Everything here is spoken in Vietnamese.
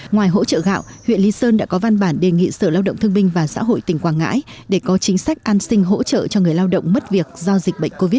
ngoài hỗ trợ gạo huyện lý sơn đã có văn bản đề nghị sở lao động thương binh và xã hội tỉnh quảng ngãi